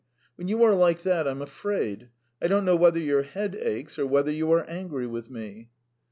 When you are like that, I'm afraid. I don't know whether your head aches or whether you are angry with me.